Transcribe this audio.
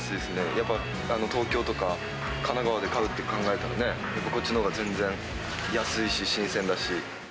やっぱ東京とか、神奈川で買うって考えたらね、やっぱこっちのほうが全然安いし、新鮮だし。